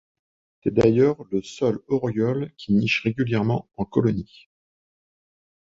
C’est d’ailleurs le seul oriole qui niche régulièrement en colonie.